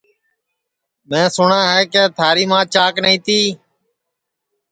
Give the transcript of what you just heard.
میں سُٹؔا ہے کہ تھاری ماں چاک نائی تی